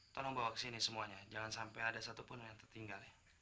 tolong bawa ke sini semuanya jangan sampai ada satupun yang tertinggal ya